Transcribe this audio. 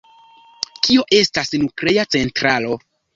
Kio estas nuklea centralo?